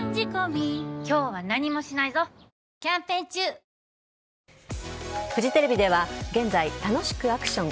現在は自身がフジテレビでは、現在楽しくアクション！